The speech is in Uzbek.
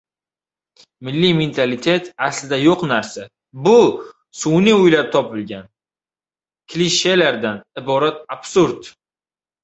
Milliy mentalitet aslida yoʻq narsa, bu sunʼiy oʻylab topilgan klishelardan iborat absurd.